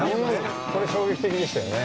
これ衝撃的でしたよね。